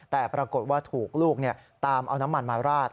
แต่ปรากฏว่าถูกลูกตามเอาน้ำมันมาราด